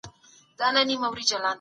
د کلتور او دین جوړښت اړین دی.